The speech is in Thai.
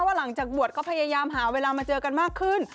หลังจากบวชก็พยายามหาเวลามาเจอกันมากขึ้น